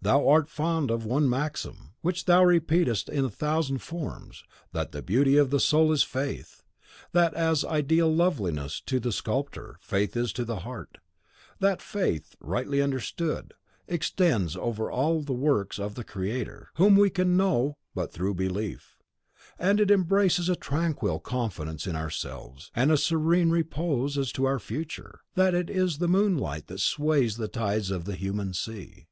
Thou art fond of one maxim, which thou repeatest in a thousand forms, that the beauty of the soul is faith; that as ideal loveliness to the sculptor, faith is to the heart; that faith, rightly understood, extends over all the works of the Creator, whom we can know but through belief; that it embraces a tranquil confidence in ourselves, and a serene repose as to our future; that it is the moonlight that sways the tides of the human sea.